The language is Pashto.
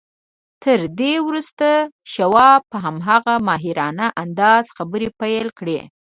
تر دې وروسته شواب په هماغه ماهرانه انداز خبرې پيل کړې.